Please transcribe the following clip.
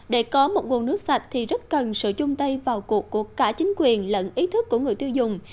để có một nguồn nước sạch thì rất cần sự chung tay vào cuộc của cả chính quyền lẫn ý thức của người tiêu dùng